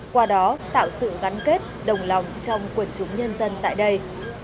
qua đó tạo sự gắn kết đồng lòng trong quần chúng nhân dân tại đây